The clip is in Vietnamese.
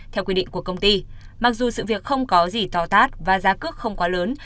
theo quy định của công ty mặc dù sự việc không có gì tò thát và giá cước không quá lớn